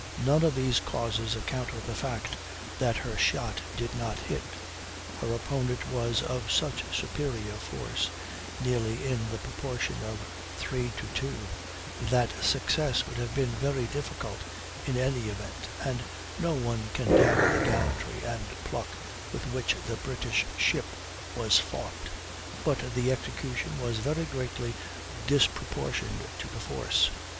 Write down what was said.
None of these causes account for the fact that her shot did not hit. Her opponent was of such superior force nearly in the proportion of 3 to 2 that success would have been very difficult in any event, and no one can doubt the gallantry and pluck with which the British ship was fought; but the execution was very greatly disproportioned to the force.